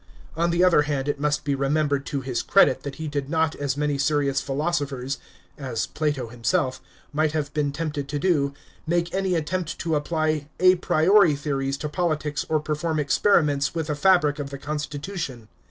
On the other hand it must he remembered to his credit that he did not, as many serious philosophers — as Plato himself — mi'jht have been tempted to do, make any attempt to apply a priori theories to politics or perform experiments with the fabric of the constitution.